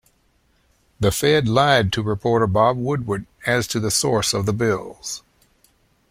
The Fed lied to reporter Bob Woodward as to the source of the bills.